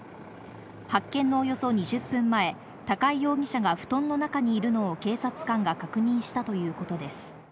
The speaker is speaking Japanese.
発見のおよそ２０分前、高井容疑者が布団の中にいるのを警察官が確認したということです。